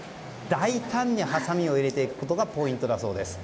大胆にはさみを入れていくことがポイントだそうです。